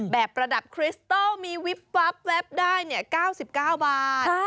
แบบประดับคริสเตอร์มีวิบวับแวบได้๙๙บาท